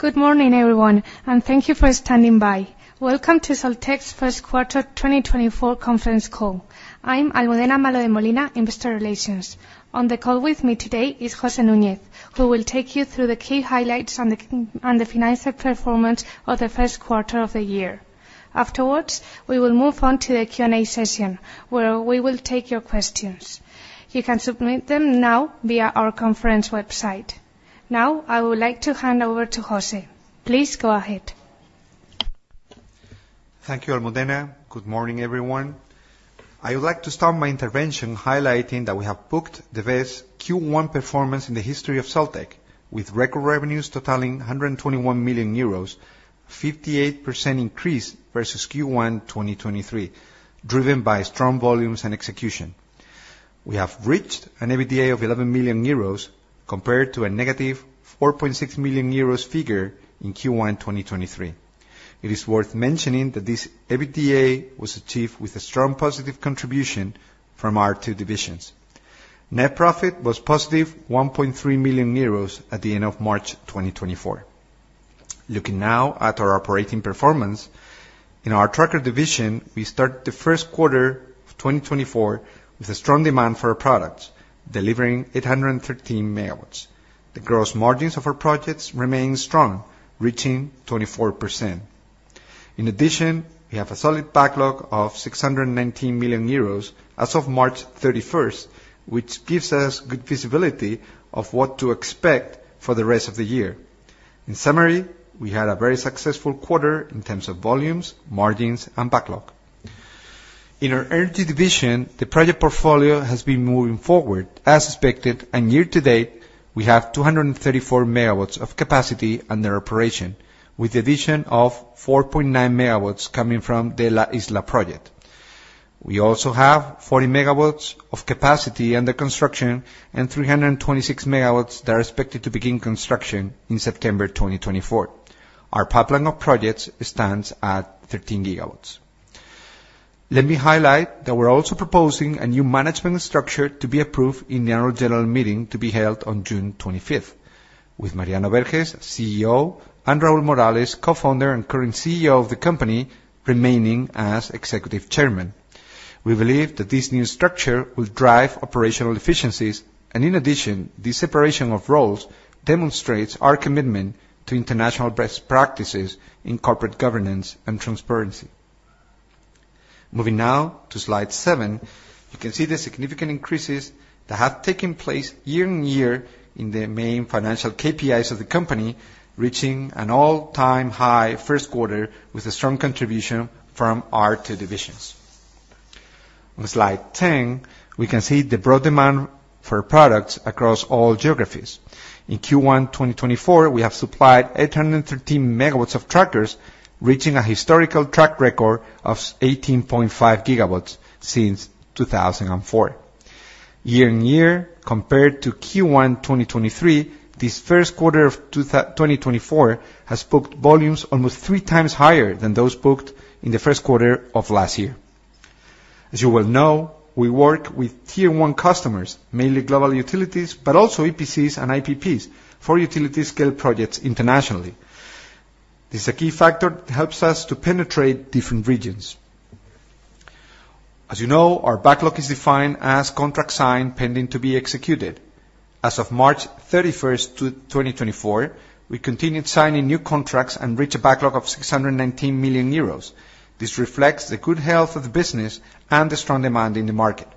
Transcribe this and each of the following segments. Good morning, everyone, and thank you for standing by. Welcome to Soltec's first quarter 2024 conference call. I'm Almudena Malo de Molina, Investor Relations. On the call with me today is José Núñez, who will take you through the key highlights on the financial performance of the first quarter of the year. Afterwards, we will move on to the Q&A session, where we will take your questions. You can submit them now via our conference website. Now, I would like to hand over to José. Please go ahead. Thank you, Almudena. Good morning, everyone. I would like to start my intervention highlighting that we have booked the best Q1 performance in the history of Soltec, with record revenues totaling 121 million euros, 58% increase versus Q1 2023, driven by strong volumes and execution. We have reached an EBITDA of 11 million euros, compared to a negative 4.6 million euros figure in Q1 2023. It is worth mentioning that this EBITDA was achieved with a strong, positive contribution from our two divisions. Net profit was positive 1.3 million euros at the end of March 2024. Looking now at our operating performance, in our tracker division, we start the first quarter of 2024 with a strong demand for our products, delivering 813 MW. The gross margins of our projects remain strong, reaching 24%. In addition, we have a solid backlog of 619 million euros as of March 31st, which gives us good visibility of what to expect for the rest of the year. In summary, we had a very successful quarter in terms of volumes, margins, and backlog. In our energy division, the project portfolio has been moving forward as expected, and year-to-date, we have 234 MW of capacity under operation, with the addition of 4.9 MW coming from the La Isla project. We also have 40 MW of capacity under construction and 326 MW that are expected to begin construction in September 2024. Our pipeline of projects stands at 13 GW. Let me highlight that we're also proposing a new management structure to be approved in our general meeting to be held on June 25th, with Mariano Berges, CEO, and Raúl Morales, Co-Founder and current CEO of the company, remaining as Executive Chairman. We believe that this new structure will drive operational efficiencies, and in addition, this separation of roles demonstrates our commitment to international best practices in corporate governance and transparency. Moving now to Slide 7, you can see the significant increases that have taken place year-on-year in the main financial KPIs of the company, reaching an all-time high first quarter with a strong contribution from our two divisions. On Slide 10, we can see the broad demand for products across all geographies. In Q1 2024, we have supplied 813 MW of trackers, reaching a historical track record of 18.5 GW since 2004. Year-on-year, compared to Q1 2023, this first quarter of 2024 has booked volumes almost 3x higher than those booked in the first quarter of last year. As you well know, we work with Tier One customers, mainly global utilities, but also EPCs and IPPs for utility scale projects internationally. This is a key factor that helps us to penetrate different regions. As you know, our backlog is defined as contract signed, pending to be executed. As of March 31st, 2024, we continued signing new contracts and reached a backlog of 619 million euros. This reflects the good health of the business and the strong demand in the market.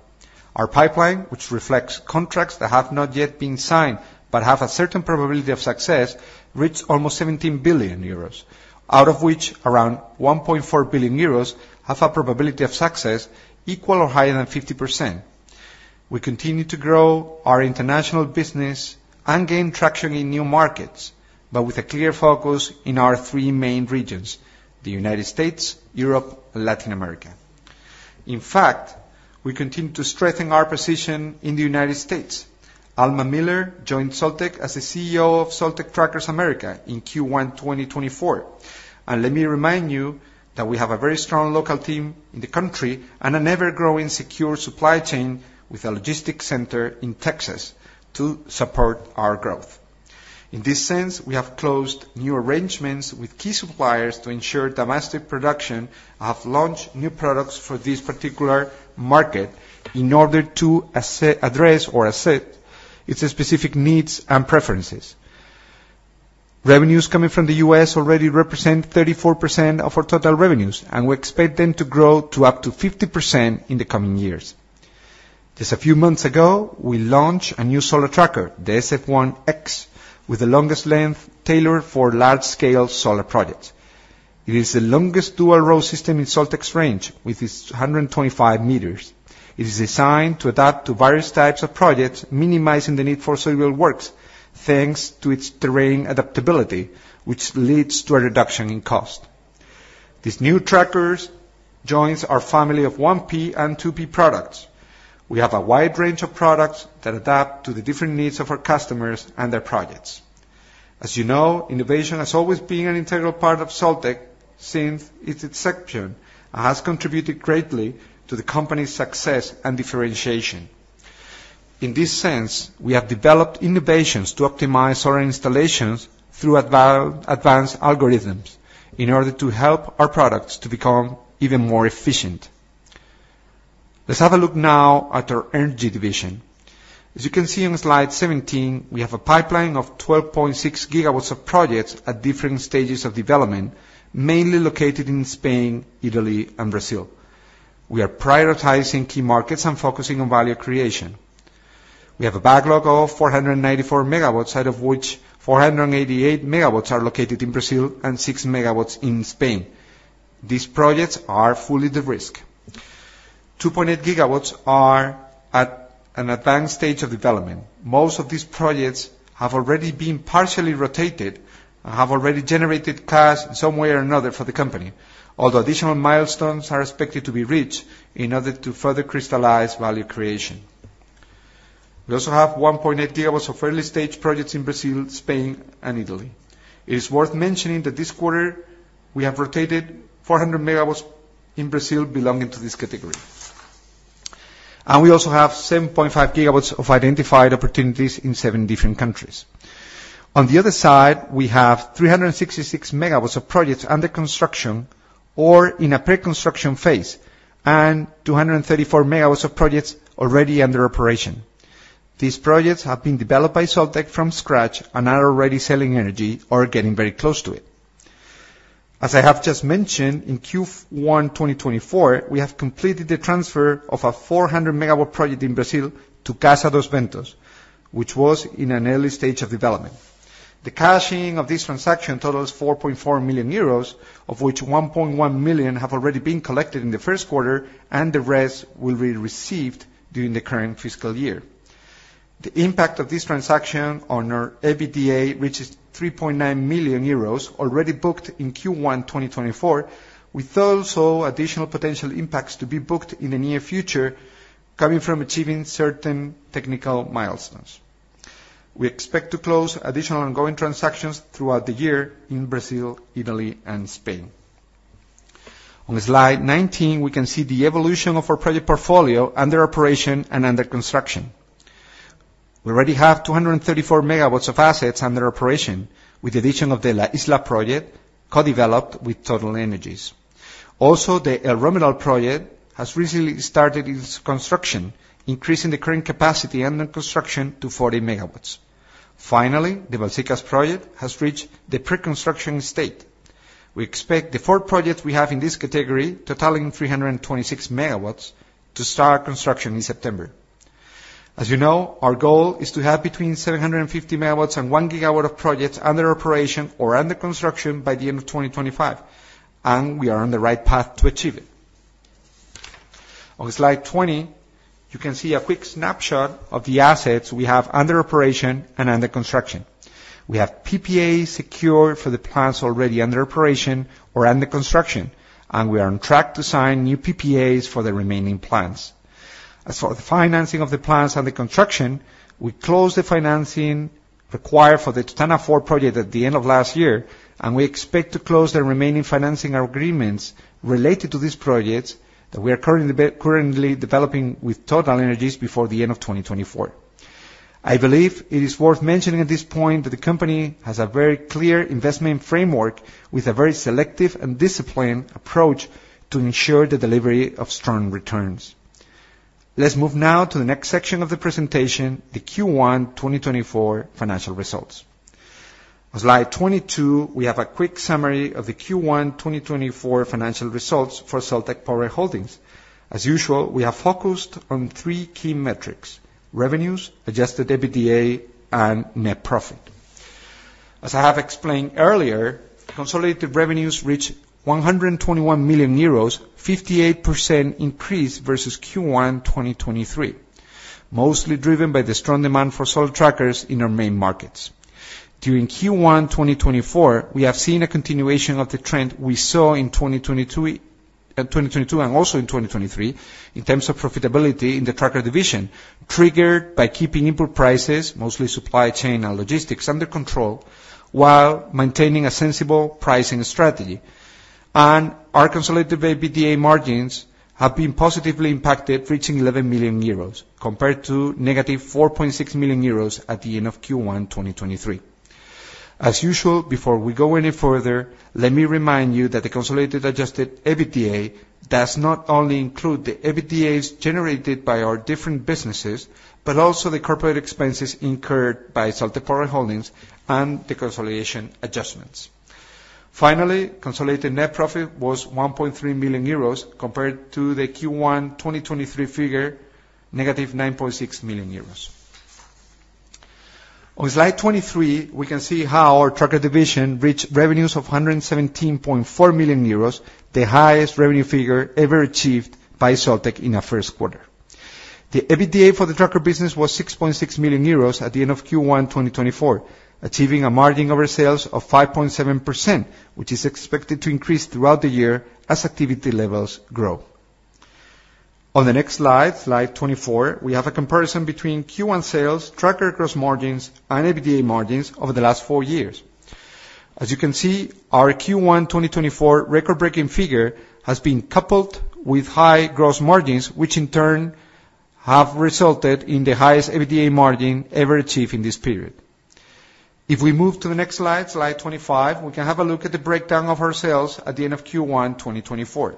Our pipeline, which reflects contracts that have not yet been signed but have a certain probability of success, reached almost 17 billion euros, out of which around 1.4 billion euros have a probability of success equal or higher than 50%. We continue to grow our international business and gain traction in new markets, but with a clear focus in our three main regions: the United States, Europe, and Latin America. In fact, we continue to strengthen our position in the United States. Alma Miller joined Soltec as the CEO of Soltec Trackers America in Q1 2024. Let me remind you that we have a very strong local team in the country and an ever-growing secure supply chain with a logistics center in Texas to support our growth. In this sense, we have closed new arrangements with key suppliers to ensure domestic production, and have launched new products for this particular market in order to address or assess its specific needs and preferences. Revenues coming from the U.S. already represent 34% of our total revenues, and we expect them to grow to up to 50% in the coming years. Just a few months ago, we launched a new solar tracker, the SFOne, with the longest length tailored for large-scale solar projects. It is the longest dual-row system in Soltec's range, with its 125 meters. It is designed to adapt to various types of projects, minimizing the need for civil works, thanks to its terrain adaptability, which leads to a reduction in cost. These new trackers joins our family of 1P and 2P products. We have a wide range of products that adapt to the different needs of our customers and their projects. As you know, innovation has always been an integral part of Soltec since its inception, and has contributed greatly to the company's success and differentiation.... In this sense, we have developed innovations to optimize our installations through advanced algorithms, in order to help our products to become even more efficient. Let's have a look now at our energy division. As you can see on slide 17, we have a pipeline of 12.6 GW of projects at different stages of development, mainly located in Spain, Italy, and Brazil. We are prioritizing key markets and focusing on value creation. We have a backlog of 494 MW, out of which 488 MW are located in Brazil and 6 MW in Spain. These projects are fully de-risked. 2.8 GW are at an advanced stage of development. Most of these projects have already been partially rotated and have already generated cash in some way or another for the company, although additional milestones are expected to be reached in order to further crystallize value creation. We also have 1.8 GW of early-stage projects in Brazil, Spain, and Italy. It is worth mentioning that this quarter, we have rotated 400 MW in Brazil belonging to this category. We also have 7.5 GW of identified opportunities in seven different countries. On the other side, we have 366 MW of projects under construction or in a pre-construction phase, and 234 MW of projects already under operation. These projects have been developed by Soltec from scratch and are already selling energy or getting very close to it. As I have just mentioned, in Q1 2024, we have completed the transfer of a 400 MW project in Brazil to Casa dos Ventos, which was in an early stage of development. The cashing of this transaction totals 4.4 million euros, of which 1.1 million have already been collected in the first quarter, and the rest will be received during the current fiscal year. The impact of this transaction on our EBITDA, which is 3.9 million euros, already booked in Q1 2024, with also additional potential impacts to be booked in the near future coming from achieving certain technical milestones. We expect to close additional ongoing transactions throughout the year in Brazil, Italy, and Spain. On slide 19, we can see the evolution of our project portfolio under operation and under construction. We already have 234 MW of assets under operation, with the addition of the La Isla project, co-developed with TotalEnergies. Also, the El Romeral project has recently started its construction, increasing the current capacity under construction to 40 MW. Finally, the Balsillas project has reached the pre-construction state. We expect the four projects we have in this category, totaling 326 MW, to start construction in September. As you know, our goal is to have between 750 MW and 1 GW of projects under operation or under construction by the end of 2025, and we are on the right path to achieve it. On slide 20, you can see a quick snapshot of the assets we have under operation and under construction. We have PPAs secured for the plants already under operation or under construction, and we are on track to sign new PPAs for the remaining plants. As for the financing of the plants under construction, we closed the financing required for the Totana IV project at the end of last year, and we expect to close the remaining financing agreements related to these projects that we are currently developing with TotalEnergies before the end of 2024. I believe it is worth mentioning at this point that the company has a very clear investment framework with a very selective and disciplined approach to ensure the delivery of strong returns. Let's move now to the next section of the presentation, the Q1 2024 financial results. On slide 22, we have a quick summary of the Q1 2024 financial results for Soltec Power Holdings. As usual, we are focused on three key metrics: revenues, Adjusted EBITDA, and net profit. As I have explained earlier, consolidated revenues reached 121 million euros, 58% increase versus Q1 2023, mostly driven by the strong demand for Sol Trackers in our main markets. During Q1 2024, we have seen a continuation of the trend we saw in 2022 and also in 2023, in terms of profitability in the tracker division, triggered by keeping input prices, mostly supply chain and logistics, under control, while maintaining a sensible pricing strategy. And our consolidated EBITDA margins have been positively impacted, reaching 11 million euros, compared to -4.6 million euros at the end of Q1 2023. As usual, before we go any further, let me remind you that the consolidated Adjusted EBITDA does not only include the EBITDAs generated by our different businesses, but also the corporate expenses incurred by Soltec Power Holdings and the consolidation adjustments. Finally, consolidated net profit was 1.3 million euros, compared to the Q1 2023 figure, -9.6 million euros. On slide 23, we can see how our tracker division reached revenues of 117.4 million euros, the highest revenue figure ever achieved by Soltec in a first quarter. The EBITDA for the tracker business was 6.6 million euros at the end of Q1 2024, achieving a margin over sales of 5.7%, which is expected to increase throughout the year as activity levels grow. On the next slide, slide 24, we have a comparison between Q1 sales, tracker gross margins, and EBITDA margins over the last four years. As you can see, our Q1 2024 record-breaking figure has been coupled with high gross margins, which in turn have resulted in the highest EBITDA margin ever achieved in this period. If we move to the next slide, slide 25, we can have a look at the breakdown of our sales at the end of Q1 2024.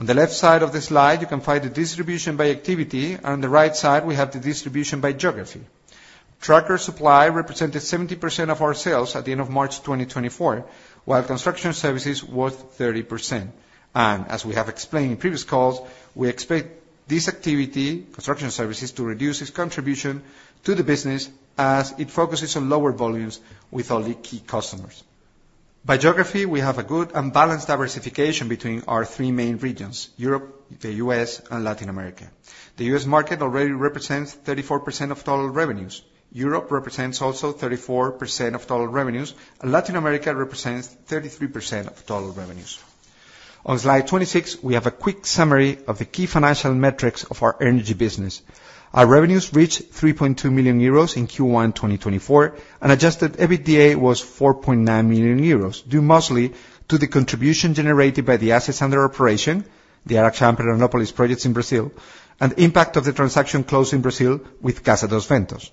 On the left side of the slide, you can find the distribution by activity, on the right side, we have the distribution by geography. Tracker supply represented 70% of our sales at the end of March 2024, while construction services was 30%. As we have explained in previous calls, we expect this activity, construction services, to reduce its contribution to the business as it focuses on lower volumes with only key customers. By geography, we have a good and balanced diversification between our three main regions, Europe, the U.S., and Latin America. The U.S. market already represents 34% of total revenues. Europe represents also 34% of total revenues, and Latin America represents 33% of total revenues. On slide 26, we have a quick summary of the key financial metrics of our energy business. Our revenues reached 3.2 million euros in Q1 2024, and Adjusted EBITDA was 4.9 million euros, due mostly to the contribution generated by the assets under operation, the Araxá and Pedranópolis projects in Brazil, and impact of the transaction closed in Brazil with Casa dos Ventos.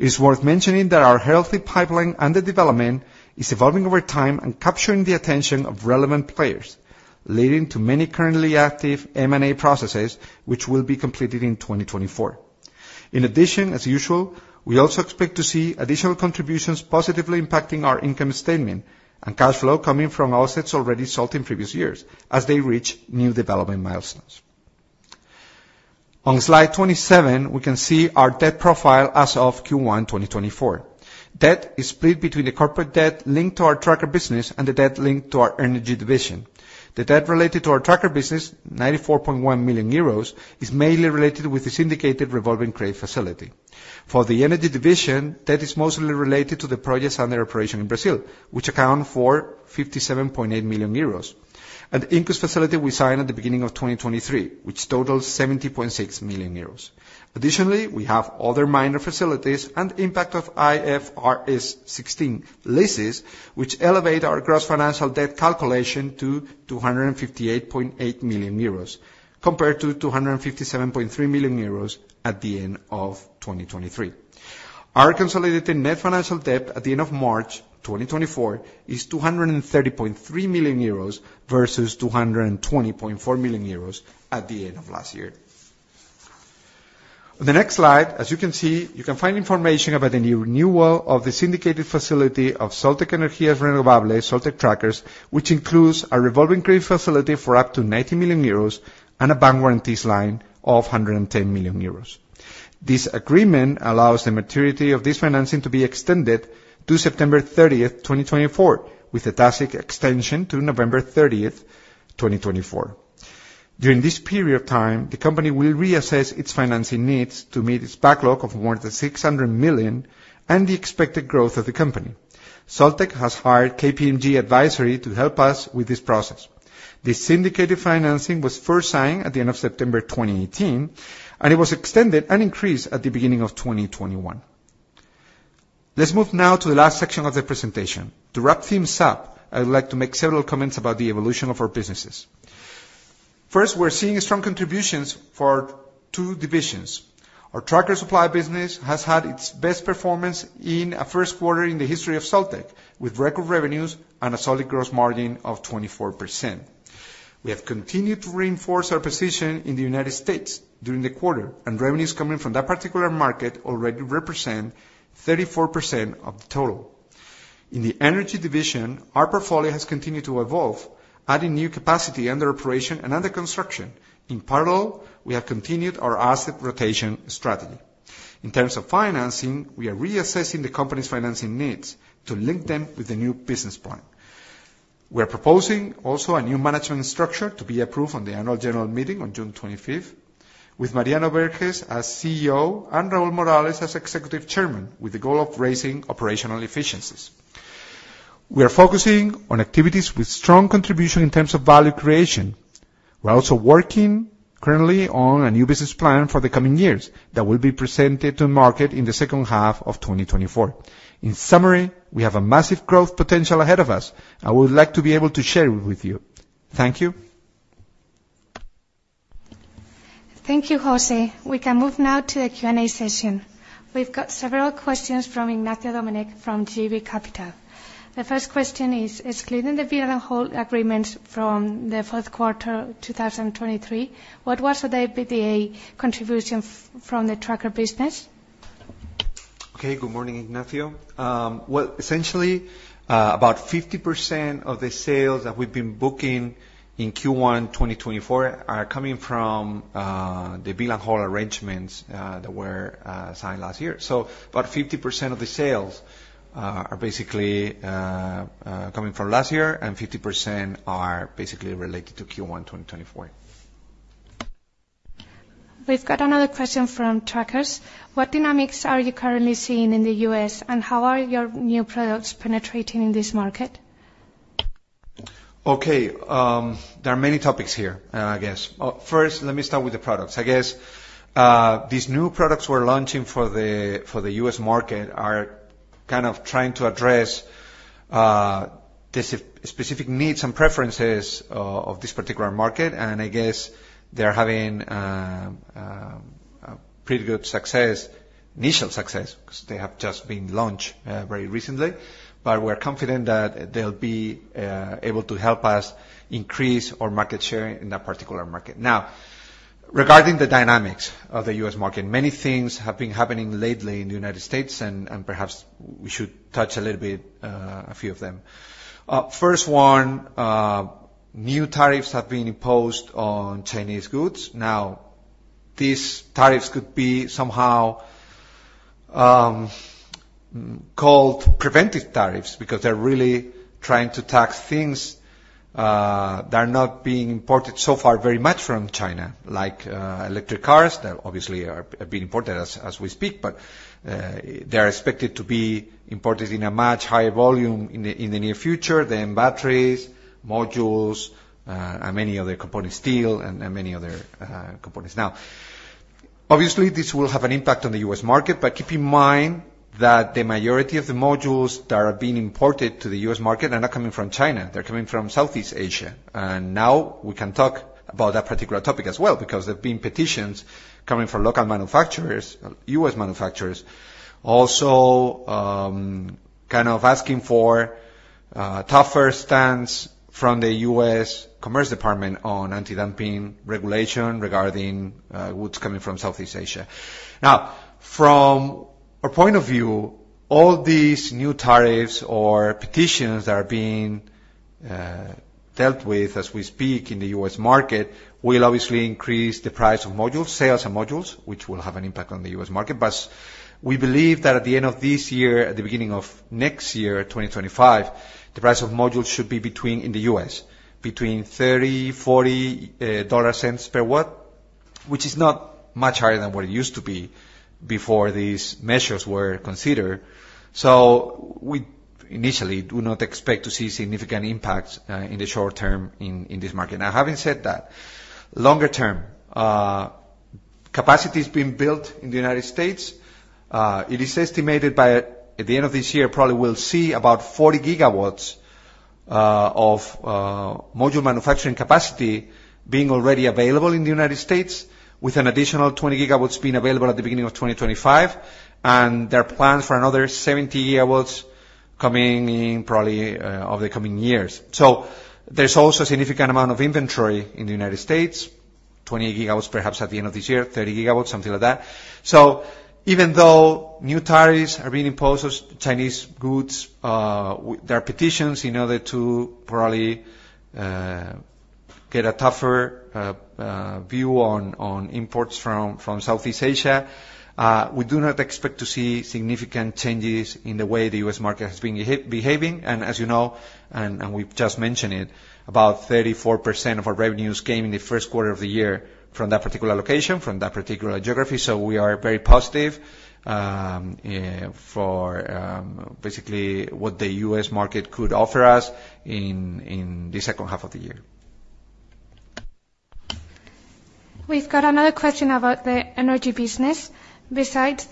It's worth mentioning that our healthy pipeline under development is evolving over time and capturing the attention of relevant players, leading to many currently active M&A processes, which will be completed in 2024. In addition, as usual, we also expect to see additional contributions positively impacting our income statement and cash flow coming from offsets already sold in previous years as they reach new development milestones. On slide 27, we can see our debt profile as of Q1 2024. Debt is split between the corporate debt linked to our tracker business and the debt linked to our energy division. The debt related to our tracker business, 94.1 million euros, is mainly related with this indicated revolving credit facility. For the energy division, debt is mostly related to the projects under operation in Brazil, which account for 57.8 million euros. Incus facility we signed at the beginning of 2023, which totals 70.6 million euros. Additionally, we have other minor facilities and impact of IFRS 16 leases, which elevate our gross financial debt calculation to 258.8 million euros, compared to 257.3 million euros at the end of 2023. Our consolidated net financial debt at the end of March 2024 is 230.3 million euros versus 220.4 million euros at the end of last year. On the next slide, as you can see, you can find information about the new renewal of the syndicated facility of Soltec Energías Renovables, Soltec Trackers, which includes a revolving credit facility for up to 90 million euros and a bank guarantees line of 110 million euros. This agreement allows the maturity of this financing to be extended to September thirtieth, 2024, with a tacit extension to November 13th, 2024. During this period of time, the company will reassess its financing needs to meet its backlog of more than 600 million and the expected growth of the company. Soltec has hired KPMG Advisory to help us with this process. This syndicated financing was first signed at the end of September 2018, and it was extended and increased at the beginning of 2021. Let's move now to the last section of the presentation. To wrap things up, I would like to make several comments about the evolution of our businesses. First, we're seeing strong contributions for our two divisions. Our tracker supply business has had its best performance in a first quarter in the history of Soltec, with record revenues and a solid gross margin of 24%. We have continued to reinforce our position in the United States during the quarter, and revenues coming from that particular market already represent 34% of the total. In the energy division, our portfolio has continued to evolve, adding new capacity under operation and under construction. In parallel, we have continued our asset rotation strategy. In terms of financing, we are reassessing the company's financing needs to link them with the new business plan. We are proposing also a new management structure to be approved on the Annual General Meeting on June 25th, with Mariano Berges as CEO and Raúl Morales as Executive Chairman, with the goal of raising operational efficiencies. We are focusing on activities with strong contribution in terms of value creation. We are also working currently on a new business plan for the coming years that will be presented to market in the second half of 2024. In summary, we have a massive growth potential ahead of us, and we would like to be able to share it with you. Thank you. Thank you, José. We can move now to the Q&A session. We've got several questions from Ignacio Doménech from JB Capital Markets. The first question is: excluding the bill-and-hold agreements from the fourth quarter 2023, what was the EBITDA contribution from the tracker business? Okay, good morning, Ignacio. Well, essentially, about 50% of the sales that we've been booking in Q1 2024 are coming from the bill-and-hold arrangements that were signed last year. So about 50% of the sales are basically coming from last year, and 50% are basically related to Q1 2024. We've got another question from trackers: What dynamics are you currently seeing in the U.S., and how are your new products penetrating in this market? Okay, there are many topics here, I guess. First, let me start with the products. I guess, these new products we're launching for the, for the U.S. market are kind of trying to address, the specific needs and preferences, of this particular market, and I guess they're having, a pretty good success, initial success, 'cause they have just been launched, very recently. But we're confident that they'll be, able to help us increase our market share in that particular market. Now, regarding the dynamics of the U.S. market, many things have been happening lately in the United States, and, perhaps we should touch a little bit, a few of them. First one, new tariffs have been imposed on Chinese goods. Now, these tariffs could be somehow called preventive tariffs, because they're really trying to tax things that are not being imported so far very much from China, like electric cars that obviously have been imported as we speak, but they are expected to be imported in a much higher volume in the near future, then batteries, modules, and many other components, steel, and many other components. Now, obviously, this will have an impact on the U.S. market, but keep in mind that the majority of the modules that are being imported to the U.S. market are not coming from China, they're coming from Southeast Asia. And now we can talk about that particular topic as well, because there have been petitions coming from local manufacturers, U.S. manufacturers, also, kind of asking for, tougher stance from the U.S. Commerce Department on anti-dumping regulation regarding, goods coming from Southeast Asia. Now, from our point of view, all these new tariffs or petitions that are being, dealt with as we speak in the U.S. market, will obviously increase the price of modules, cells and modules, which will have an impact on the U.S. market. But we believe that at the end of this year, at the beginning of next year, 2025, the price of modules should be between, in the U.S., between $0.30-$0.40 per watt, which is not much higher than what it used to be before these measures were considered. So we initially do not expect to see significant impacts in the short term in, in this market. Now, having said that, longer term, capacity is being built in the United States. It is estimated by, at the end of this year, probably we'll see about 40 GW of module manufacturing capacity being already available in the United States, with an additional 20 GW being available at the beginning of 2025, and there are plans for another 70 GW coming in probably over the coming years. So there's also a significant amount of inventory in the United States, 20 GW, perhaps at the end of this year, 30 GW, something like that. So even though new tariffs are being imposed on Chinese goods, there are petitions in order to probably get a tougher view on imports from Southeast Asia, we do not expect to see significant changes in the way the U.S. market has been behaving. And as you know, and we've just mentioned it, about 34% of our revenues came in the first quarter of the year from that particular location, from that particular geography, so we are very positive for basically what the US market could offer us in the second half of the year. We've got another question about the energy business. Besides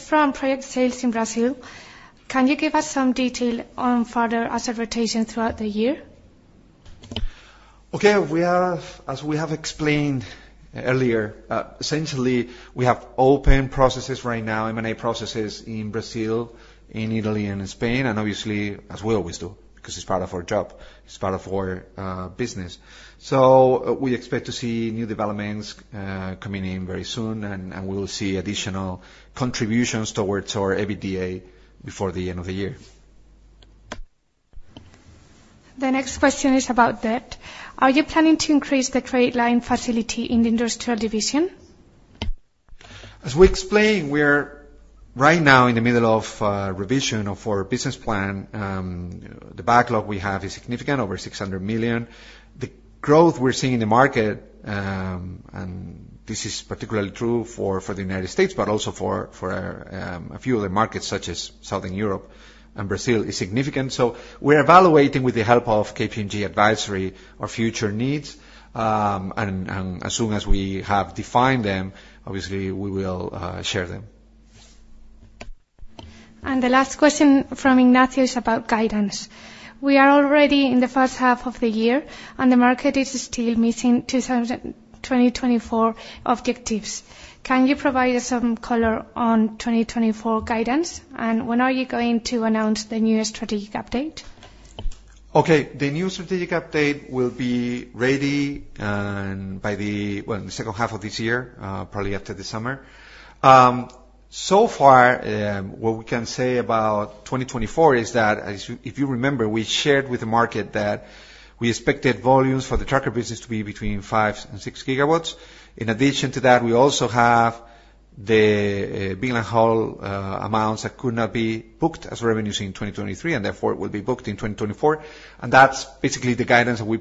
from project sales in Brazil, can you give us some detail on further asset rotation throughout the year? Okay. We have, as we have explained earlier, essentially, we have open processes right now, M&A processes in Brazil, in Italy, and in Spain, and obviously, as we always do, because it's part of our job, it's part of our business. So we expect to see new developments coming in very soon, and we will see additional contributions towards our EBITDA before the end of the year. The next question is about debt. Are you planning to increase the credit line facility in the industrial division? As we explained, we're right now in the middle of revision of our business plan. The backlog we have is significant, over 600 million. The growth we're seeing in the market, and this is particularly true for the United States, but also for a few other markets such as Southern Europe and Brazil, is significant. So we're evaluating, with the help of KPMG Advisory, our future needs. And as soon as we have defined them, obviously we will share them. The last question from Ignacio is about guidance. We are already in the first half of the year, and the market is still missing 2024 objectives. Can you provide us some color on 2024 guidance? And when are you going to announce the new strategic update? Okay, the new strategic update will be ready by the, well, in the second half of this year, probably after the summer. So far, what we can say about 2024 is that, if you remember, we shared with the market that we expected volumes for the tracker business to be between 5 and 6 GW. In addition to that, we also have the build-and-hold amounts that could not be booked as revenues in 2023, and therefore, will be booked in 2024, and that's basically the guidance that we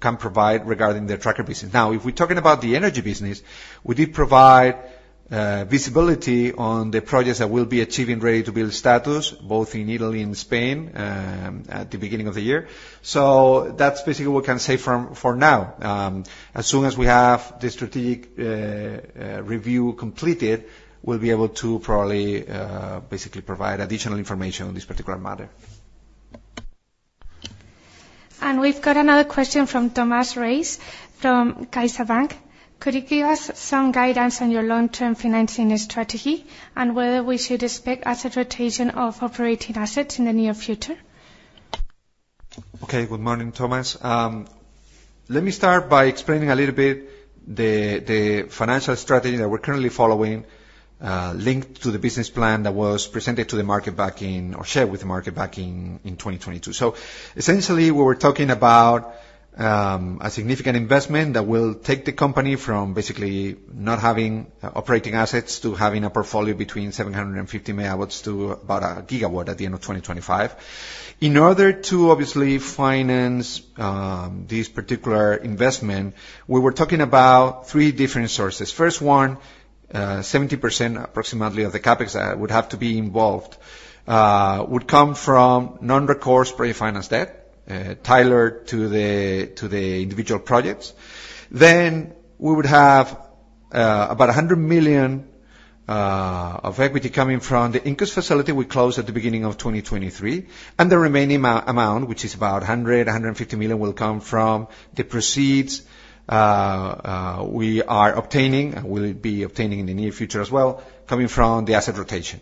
can provide regarding the tracker business. Now, if we're talking about the energy business, we did provide visibility on the projects that we'll be achieving ready-to-build status, both in Italy and Spain, at the beginning of the year. That's basically what we can say for now. As soon as we have the strategic review completed, we'll be able to probably basically provide additional information on this particular matter. We've got another question from Thomas Reis from CaixaBank. Could you give us some guidance on your long-term financing strategy, and whether we should expect asset rotation of operating assets in the near future? Okay, good morning, Thomas. Let me start by explaining a little bit the financial strategy that we're currently following, linked to the business plan that was presented to the market back in, or shared with the market back in, in 2022. So essentially, we were talking about a significant investment that will take the company from basically not having operating assets to having a portfolio between 750 MW to about 1 GW at the end of 2025. In order to obviously finance this particular investment, we were talking about three different sources. First one, 70%, approximately, of the CapEx, would have to be involved, would come from non-recourse pre-finance debt, tailored to the individual projects. Then, we would have about 100 million of equity coming from the Incus facility we closed at the beginning of 2023. And the remaining amount, which is about 150 million, will come from the proceeds we are obtaining, and will be obtaining in the near future as well, coming from the asset rotation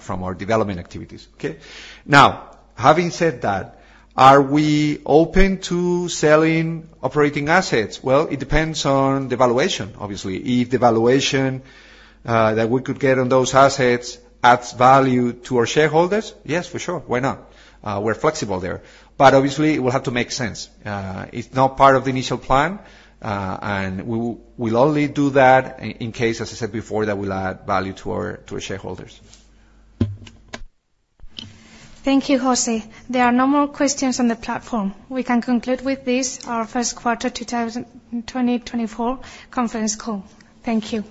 from our development activities. Okay? Now, having said that, are we open to selling operating assets? Well, it depends on the valuation, obviously. If the valuation that we could get on those assets adds value to our shareholders, yes, for sure. Why not? We're flexible there. But obviously, it will have to make sense. It's not part of the initial plan, and we will, we'll only do that in case, as I said before, that will add value to our, to our shareholders. Thank you, José. There are no more questions on the platform. We can conclude with this, our first quarter 2024 conference call. Thank you.